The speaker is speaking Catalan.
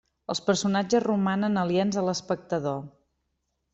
Els personatges romanen aliens a l'espectador.